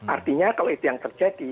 artinya kalau itu yang terjadi